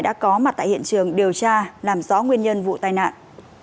đã có mặt tại hiện trường điều tra làm rõ nguyên nhân vụ tai nạn